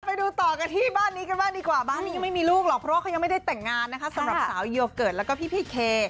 ไปดูต่อกันที่บ้านนี้กันบ้างดีกว่าบ้านนี้ยังไม่มีลูกหรอกเพราะว่าเขายังไม่ได้แต่งงานนะคะสำหรับสาวโยเกิร์ตแล้วก็พี่เค